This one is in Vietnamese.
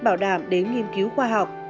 bảo đảm đến nghiên cứu khoa học